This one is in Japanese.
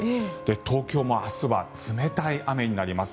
東京も明日は冷たい雨になります。